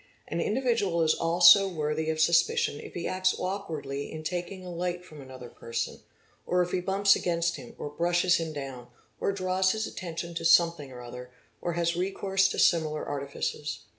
An individual is also worthy of suspicion if he acts awkwardly in taking a light from another person, or if he bumps against him, or brushes him down, or draws his attention to something or other, or has recourse to similar artifices.